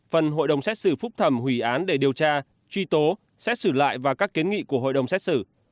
phần hội đồng xét xử phúc thẩm hủy án để điều tra truy tố xét xử lại và các kiến nghị của hội đồng xét xử